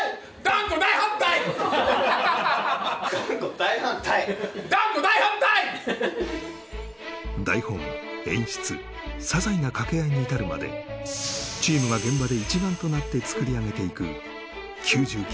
台本演出ささいなかけ合いに至るまでチームが現場で一丸となって作り上げていく「９９．９」